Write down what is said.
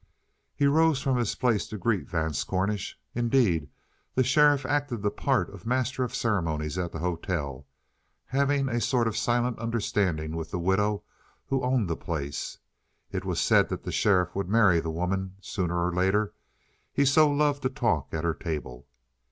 He rose from his place to greet Vance Cornish. Indeed, the sheriff acted the part of master of ceremonies at the hotel, having a sort of silent understanding with the widow who owned the place. It was said that the sheriff would marry the woman sooner or later, he so loved to talk at her table.